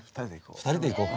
２人で行こう。